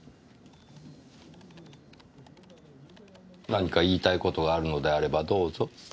何か言いたいことがあるのであればどうぞ。